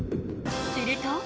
すると。